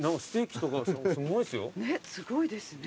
すごいですよ。